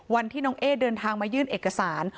วันที่น้องเอ๊เดินทางมายื่นเอกสาร